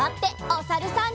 おさるさん。